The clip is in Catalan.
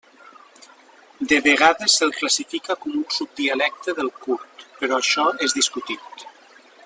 De vegades se'l classifica com un subdialecte del kurd, però això és discutit.